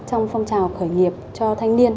trong phong trào khởi nghiệp cho thanh niên